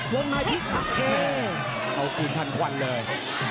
วงไนพีคอัดเทเอาคืนทันควันเลย